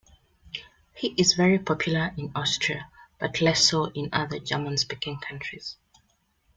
He is very popular in Austria, but less so in other German-speaking countries.